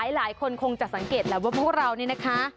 หลายคนคงจะสังเกตแหละว่าพวกเรานี่นะคะ